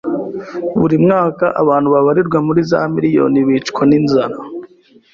Buri mwaka abantu babarirwa muri za miriyoni bicwa n'inzara.